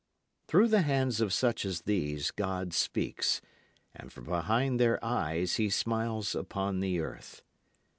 Through the hands of such as these God speaks, and from behind their eyes He smiles upon the earth.